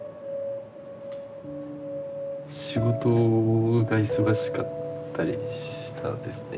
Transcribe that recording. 仕事が忙しかったりしたんですね。